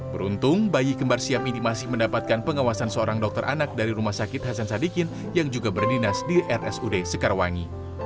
beruntung bayi kembar siam ini masih mendapatkan pengawasan seorang dokter anak dari rumah sakit hasan sadikin yang juga berdinas di rsud sekarwangi